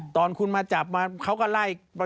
ตอนคุณมาจับมาเขาก็ไล่